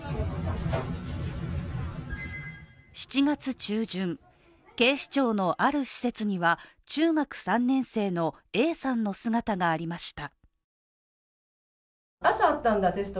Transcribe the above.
７月中旬、警視庁のある施設には中学３年生のＡさんの姿がありました。